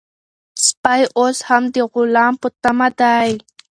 سپی اوس هم د غلام په تمه دی.